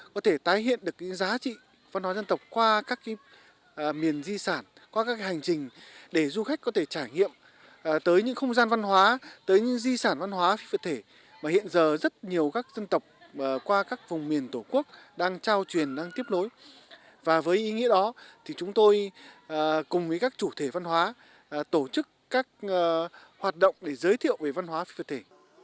cùng với các chủ thể văn hóa tổ chức các hoạt động để giới thiệu về văn hóa phi vật thể